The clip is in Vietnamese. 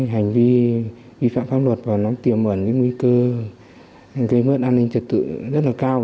hành vi vi phạm pháp luật và nó tiềm ẩn những nguy cơ gây mất an ninh trật tự rất là cao